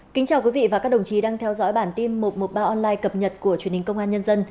kính chào quý vị và các đồng chí đang theo dõi bản tin một trăm một mươi ba online cập nhật của truyền hình công an nhân dân